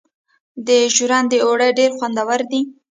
د ژرندې اوړه ډیر خوندور وي.